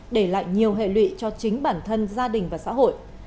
để lại nhiều hệ lụy cho chính bản thân gia đình và xã hội